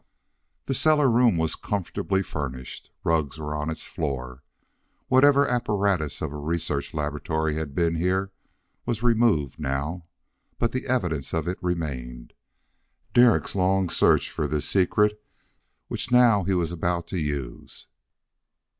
The cellar room was comfortably furnished. Rugs were on its floor. Whatever apparatus of a research laboratory had been here was removed now. But the evidence of it remained Derek's long search for this secret which now he was about to use.